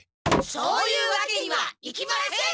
そういうわけにはいきません！